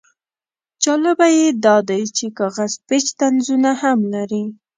جالبه یې دا دی چې کاغذ پیچ طنزونه هم لري.